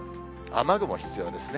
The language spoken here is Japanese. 雨具も必要ですね。